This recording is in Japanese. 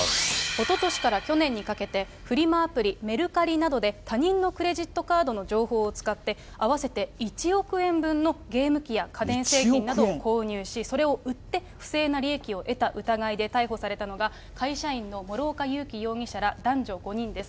おととしから去年にかけて、フリマアプリ、メルカリなどで他人のクレジットカードの情報を使って、合わせて１億円分のゲーム機や家電製品など購入し、それを売って、不正な利益を得た疑いで逮捕されたのが、会社員の諸岡祐樹容疑者ら男女５人です。